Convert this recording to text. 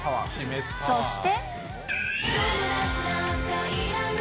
そして。